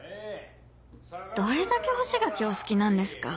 どれだけ干し柿お好きなんですか⁉